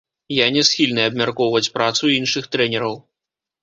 Я не схільны абмяркоўваць працу іншых трэнераў.